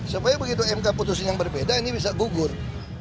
supaya begitu mk putusin yang berbeda ini bisa gugur